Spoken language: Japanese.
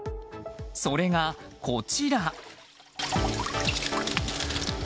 それが、こちら。